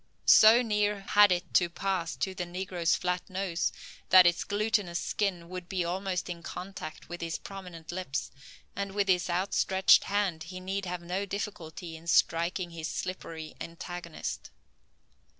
So near had it to pass to the negro's flat nose that its glutinous skin would be almost in contact with his prominent lips, and with his outstretched hand he need have no difficulty in striking his slippery antagonist.